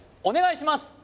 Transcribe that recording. お願いします